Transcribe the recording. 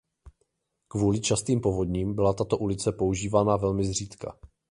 Kvůli častým povodním byla tato ulice používána velmi zřídka.